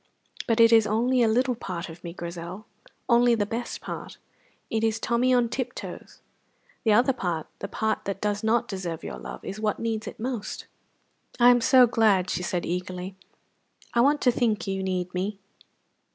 But it is only a little part of me, Grizel; only the best part. It is Tommy on tiptoes. The other part, the part that does not deserve your love, is what needs it most." "I am so glad!" she said eagerly. "I want to think you need me."